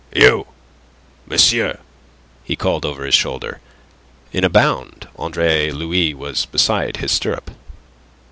"You, monsieur!" he called over his shoulder. In a bound Andre Louis was beside his stirrup.